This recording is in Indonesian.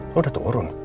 lo udah turun